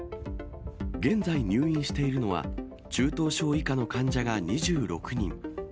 現在入院しているのは、中等症以下の患者が２６人。